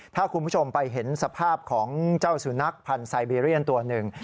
ถ้าคุณผู้ชมไปเห็นสภาพของเจ้าสุนัขพันธ์ไซเบีเรียนตัวหนึ่ง